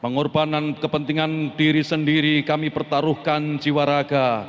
pengorbanan kepentingan diri sendiri kami pertaruhkan jiwa raga